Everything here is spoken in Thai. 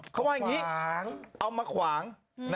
เขาว่าอย่างนี้เอามาขวาง